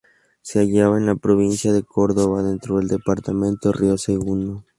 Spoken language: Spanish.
Se hallaba en la provincia de Córdoba dentro del Departamento Río Segundo.